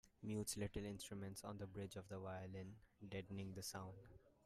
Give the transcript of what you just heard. Mutes little instruments on the bridge of the violin, deadening the sound.